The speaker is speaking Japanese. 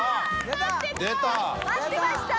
个拭待ってました！